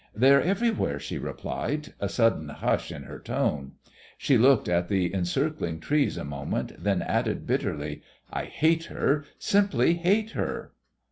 "They're everywhere," she replied, a sudden hush in her tone. She looked at the encircling trees a moment, then added bitterly: "I hate her, simply hate her."